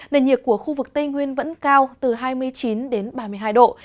nền nhiệt của khu vực tây nguyên vẫn cao từ hai mươi chín đến ba mươi hai độ